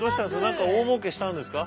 何か大もうけしたんですか？